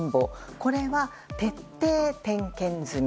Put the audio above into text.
これは、徹底点検済み。